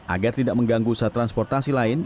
agar tidak mengganggu usaha transportasi lain